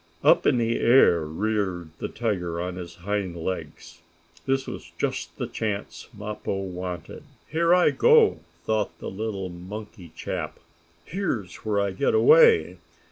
Up in the air reared the tiger on his hind legs. This was just the chance Mappo wanted. "Here I go!" thought the little monkey chap. "Here's where I get away."